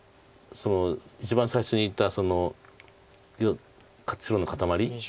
一番最初に言った白の固まり。